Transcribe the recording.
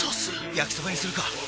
焼きそばにするか！